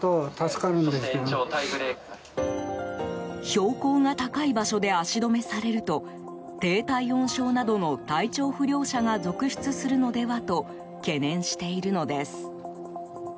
標高が高い場所で足止めされると低体温症などの体調不良者が続出するのではと懸念しているのです。